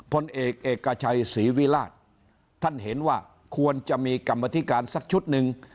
พลเอกเอกชัยศรีวิราชท่านเห็นว่าควรจะมีกรรมธิการสักชุดหนึ่ง